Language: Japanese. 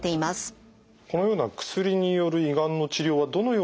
このような薬による胃がんの治療はどのように進めていくんですか？